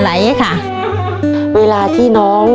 ภายในเวลา๓นาที